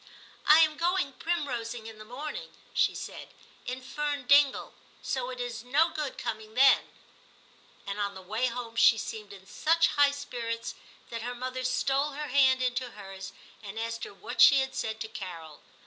XII TIM 281 * I am going primrosing in the morning/ she said, * in Fern Dingle, so it is no good coming then/ And on the way home she seemed in such high spirits, that her mother stole her hand into hers and asked her what she had said to Carol.